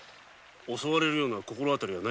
襲われるような心当たりは？